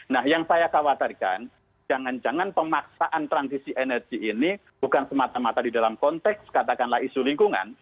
nah yang saya khawatirkan jangan jangan pemaksaan transisi energi ini bukan semata mata di dalam konteks katakanlah isu lingkungan